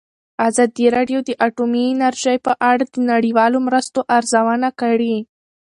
ازادي راډیو د اټومي انرژي په اړه د نړیوالو مرستو ارزونه کړې.